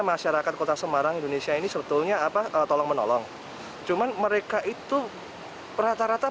masyarakat kota semarang indonesia ini sebetulnya apa tolong menolong cuman mereka itu rata rata